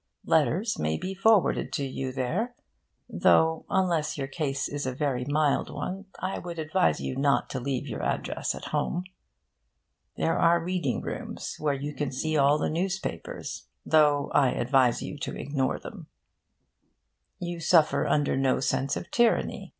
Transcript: Letters may be forwarded to you there; though, unless your case is a very mild one, I would advise you not to leave your address at home. There are reading rooms where you can see all the newspapers; though I advise you to ignore them. You suffer under no sense of tyranny.